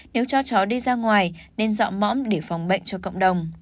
nếu cho chó đi ra ngoài nên dọa mõm để phòng bệnh cho cộng đồng